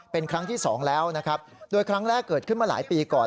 เป็นครั้งที่สองแล้วนะครับโดยครั้งแรกเกิดขึ้นมาหลายปีก่อน